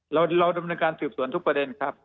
เราดำเนินการสืบสวนทุกประเด็นครับ